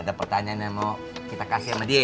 ada pertanyaan yang mau kita kasih sama dia